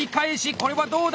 これはどうだ！